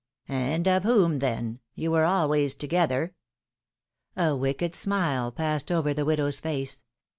^^ ^^And of whom, then ? You were always together.'^ A wicked smile passed over the widow's face.